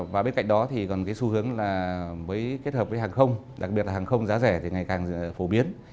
và bên cạnh đó thì còn cái xu hướng là mới kết hợp với hàng không đặc biệt là hàng không giá rẻ thì ngày càng phổ biến